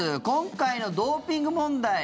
今回のドーピング問題